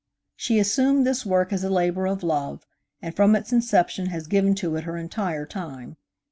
She assumed this work as a labor of love, and from its inception has given to it her entire time.